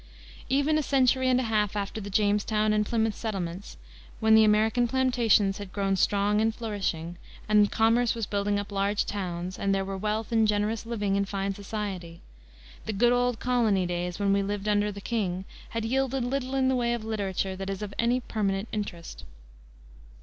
Even a century and a half after the Jamestown and Plymouth settlements, when the American plantations had grown strong and flourishing, and commerce was building up large towns, and there were wealth and generous living and fine society, the "good old colony days when we lived under the king," had yielded little in the way of literature that is of any permanent interest.